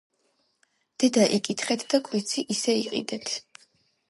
დედა იკითხეთ და კვიცი ისე იყიდეთ.